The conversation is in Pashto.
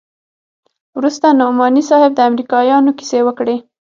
وروسته نعماني صاحب د امريکايانو کيسې وکړې.